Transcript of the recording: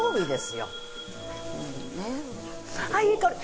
ああいい香り！